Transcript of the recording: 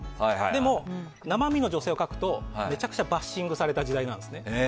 でも、生身の女性を描くとめちゃくちゃバッシングされた時代だったんです。